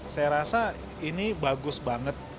saya rasa ini bagus banget